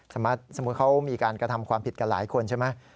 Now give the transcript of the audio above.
สมมุติเขามีการกระทำความผิดกันหลายคนใช่ไหม